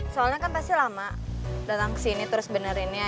soalnya kan pasti lama datang ke sini terus benerinnya